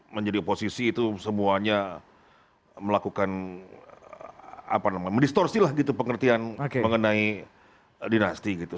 menjadi oposisi itu semuanya melakukan apa namanya mendistorsilah gitu pengertian mengenai dinasti gitu